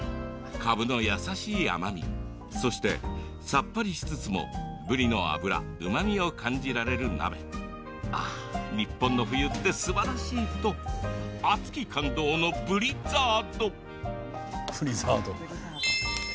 かぶの優しい甘み、そしてさっぱりしつつもぶりの脂うまみを感じられる鍋日本の冬ってすばらしいと熱き感動のブリザード。